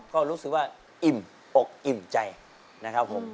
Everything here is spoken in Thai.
ก็รู้สึกว่าอิ่มอกอิ่มใจนะครับผม